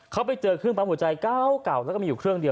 เขาไปเจอเครื่องปั๊มหัวใจเก่าแล้วก็มีอยู่เครื่องเดียว